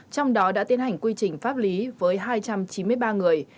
trong đó đã tiến hành quy trình pháp lý với hai trăm chín mươi ba người